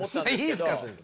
いいんですか。